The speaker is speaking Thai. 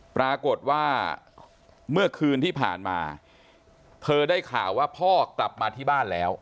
ปรากฏว่าเมื่อคืนที่ผ่านมาเธอได้ข่าวว่าพ่อกลับมาที่บ้านแล้ว